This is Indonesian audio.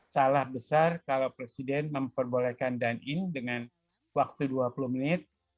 salah besar kalau presiden memperbolehkan dine in dengan waktu dua puluh menit